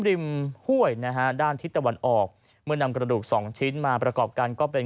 ริมห้วยนะฮะด้านทิศตะวันออกเมื่อนำกระดูกสองชิ้นมาประกอบกันก็เป็น